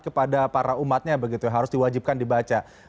kepada para umatnya harus diwajibkan dibaca